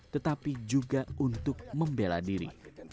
tetapi juga untuk membela diri